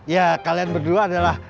ya kalian berdua adalah